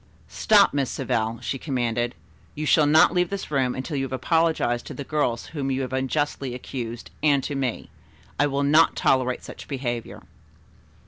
"Stop, Miss Savell," she commanded. "You shall not leave this room until you have apologized to the girls whom you have unjustly accused and to me. I will not tolerate such behavior."